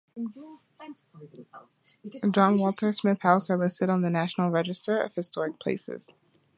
John Walter Smith House are listed on the National Register of Historic Places.